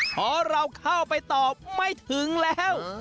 เพราะเราเข้าไปตอบไม่ถึงแล้ว